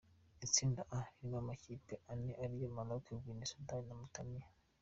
Itsinda A ririmo amakipe ane ariyo: Marroc, Guinee, Sudan na Maurtanie.